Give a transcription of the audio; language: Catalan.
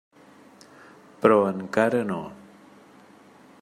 Però encara no.